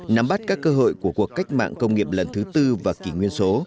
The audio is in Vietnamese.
nắm bắt các cơ hội của cuộc cách mạng công nghiệp lần thứ tư và kỷ nguyên số